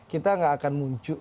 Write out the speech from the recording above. kita nggak akan muncul